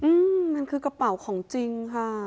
อืมมันคือกระเป๋าของจริงค่ะ